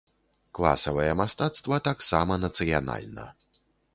Класавае мастацтва таксама нацыянальна.